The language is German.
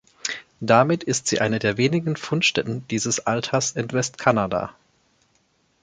Damit ist sie eine der wenigen Fundstätten dieses Alters in Westkanada.